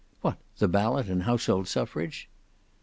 "What, the ballot and household suffrage?"